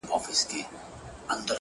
• له ګودر څخه مي رنګ د رنجو واخیست ,